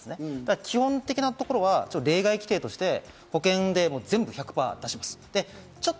基本的なところは例外規定として保険で全部１００％出しますと。